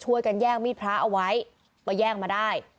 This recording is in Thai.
ช่วยกันแย่งมีดพระเอาไว้ว่าย่างมาได้